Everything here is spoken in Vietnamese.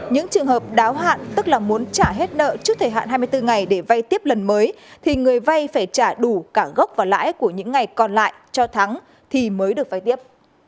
những trường hợp đáo hạn tức là muốn trả hết nợ trước thời hạn hai mươi bốn ngày để vay tiếp lần mới thì người vay phải trả đủ cả gốc và lãi của những ngày còn lại cho thắng thì mới được vay tiếp